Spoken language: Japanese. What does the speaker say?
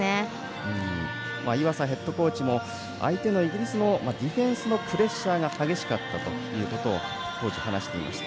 岩佐ヘッドコーチも相手のイギリスもディフェンスのプレッシャーが激しかったということを当時、話していました。